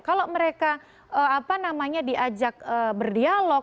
kalau mereka apa namanya diajak berdialog